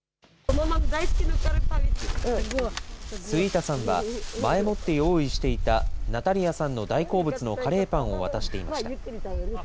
スウィータさんは、前もって用意していたナタリヤさんの大好物のカレーパンを渡していました。